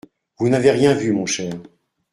Vous n'avez rien vu, mon cher.